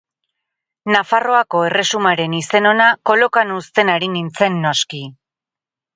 Nafarroako erresumaren izen ona kolokan uzten ari nintzen noski.